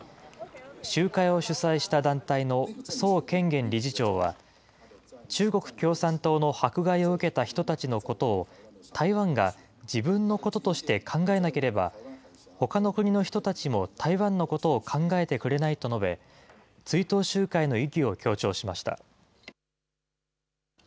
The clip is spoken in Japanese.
集会を主催した団体の曽建元理事長は、中国共産党の迫害を受けた人たちのことを、台湾が自分のこととして考えなければ、ほかの国の人たちも台湾のことを考えてくれないと述べ、追悼集会の意義を強調しました。